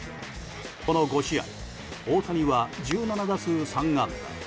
この５試合大谷は１７打数３安打。